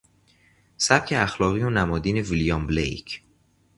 سبک اخلاقی و نمادین ویلیام بلیک